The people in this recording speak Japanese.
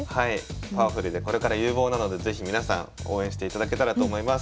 パワフルでこれから有望なので是非皆さん応援していただけたらと思います。